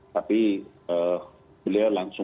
tapi beliau langsung